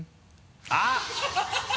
あっ！